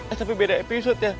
eh tapi beda episode ya